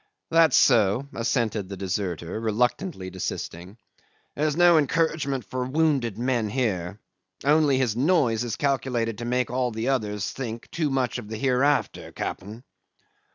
"That's so," assented the deserter, reluctantly desisting. "There's no encouragement for wounded men here. Only his noise is calculated to make all the others think too much of the hereafter, cap'n."